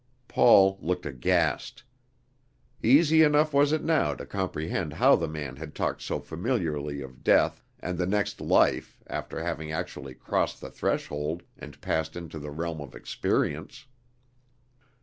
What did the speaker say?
Paul looked aghast. Easy enough was it now to comprehend how the man had talked so familiarly of death and the next life after having actually crossed the threshold and passed into the realm of experience.